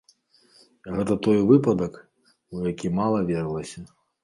Гэта той выпадак, у які мала верылася.